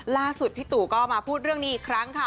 ล่าสุดพี่ตู่ก็มาพูดเรื่องนี้อีกครั้งค่ะ